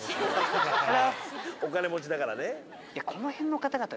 お金持ちだからね。